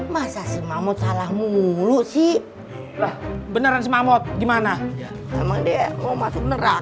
masa si volcano mulu sih lah beneran semangat gimana emang dia mau masuk neraka